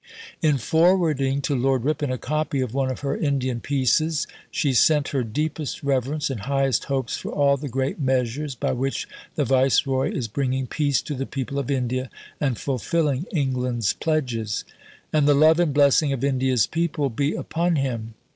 In forwarding to Lord Ripon a copy of one of her Indian pieces, she sent her "deepest reverence and highest hopes for all the great measures by which the Viceroy is bringing peace to the people of India and fulfilling England's pledges. And the love and blessing of India's people be upon him!"